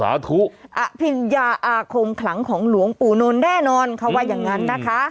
อภิญญาอาคมขลังของหลวงปู่นนท์แน่นอนเขาว่าอย่างนั้นนะคะ